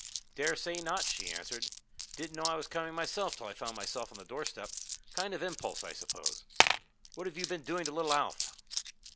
"Dare say not," she answered. "Didn't know I was coming myself till I found myself on the doorstep. Kind of impulse, I suppose. What have you been doing to little Alf?"